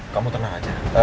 kamu tenang aja